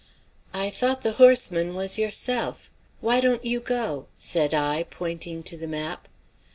"I thought the horseman was yourself. Why don't you go?" said I, pointing to the map.